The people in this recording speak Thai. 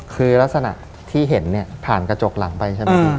คือลักษณะที่เห็นผ่านกระจกหลังไป